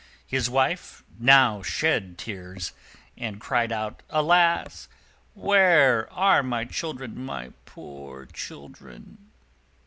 His Wife now shed tears, and cried out, "Alas! where are my children, my poor children?"